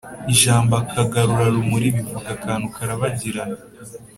Ijambo "akagarura-rumuri" bivuga akantu karabagirana